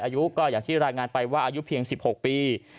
อายุก็อย่างที่รายงานไปว่าอายุเพียง๑๖ปี